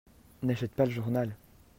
N'achète pas le journal !